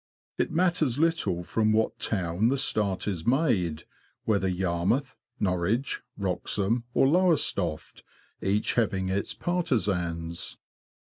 It matters little from what town the start is made, whether Yarmouth, Norwich, Wroxham, or Lowestoft, each having its partisans.